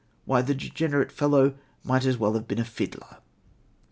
Why, the degenerate fellow might as well have been a fiddler."